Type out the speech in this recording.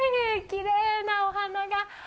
きれいなお花が。